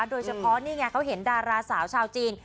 โดยเฉพาะนี่ไงเขาเห็นดาราสาวชาวจีน